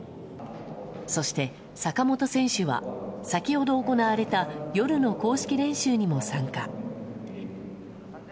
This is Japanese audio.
そして坂本選手は先ほど行われた夜の公式練習にも参加。